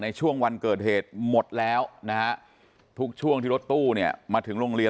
ในช่วงวันเกิดเหตุหมดแล้วนะฮะทุกช่วงที่รถตู้เนี่ยมาถึงโรงเรียน